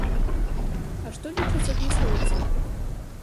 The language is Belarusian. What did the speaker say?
А што лічаць адмыслоўцы?